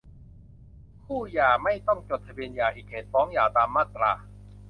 คู่หย่าไม่ต้องจดทะเบียนหย่าอีก เหตุฟ้องหย่า ตามมาตรา